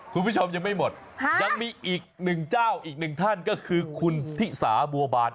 คุณผู้ชมยังไม่หมดยังมีอีกหนึ่งเจ้าอีกหนึ่งท่านก็คือคุณทิสาบัวบาน